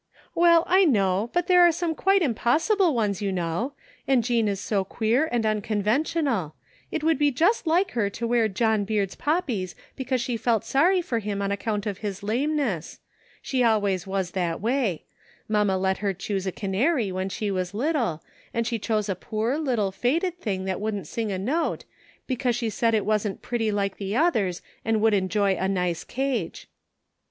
" Well, I know, but there are some quite impossible ones, you know, and Jean is so queer and imconven tional. It would be just like her to wear John Beard's poppies because she felt sorry for him on account of his lameness. She always was that way. Mamma let her chcx>se a canary when she was little, and she diose a poor, little faded thing that wouldn't sing a note, because she said it wasn't pretty like the others and would enjoy a nice cage."